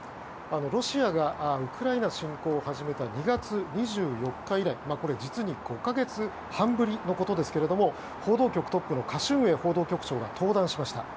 ロシアがウクライナ侵攻を始めた２月２４日以来実に５か月半ぶりのことですが報道局トップのカ・シュンエイ報道局長が登壇しました。